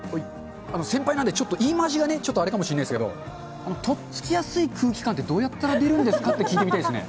先輩なんでちょっと言い回しがちょっとあれかもしれないですけれども、とっつきやすい空気感ってどうやったら出るんですかって聞いてみたいですね。